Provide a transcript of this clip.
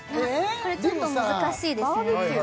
これちょっと難しいですね